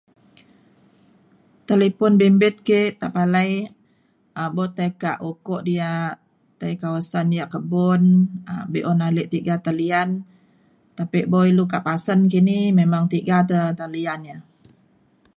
talipon bimbit ke tapalai um buk tai kak ukok diak tai kawasan yak kebun um be’un ale tiga talian tapi buk ilu kak pasen kini memang tiga te talian ia’